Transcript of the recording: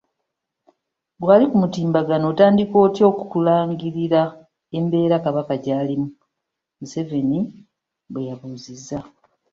"Ggwe ali ku mutimbagano otandika otya okulangirira embeera Kabaka gy'alimu?" Museveni bwe yabuuzizzza.